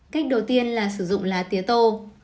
cách đầu tiên là sử dụng lá tiết tô